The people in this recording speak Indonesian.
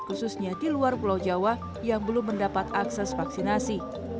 khususnya di luar pulau jawa yang belum mendapat akses vaksinasi